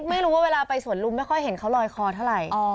ไม่รู้ว่าเวลาไปสวนลุมไม่ค่อยเห็นเขาลอยคอเท่าไหร่